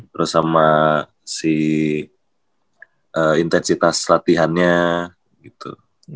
terus sama si intensitas latihannya gitu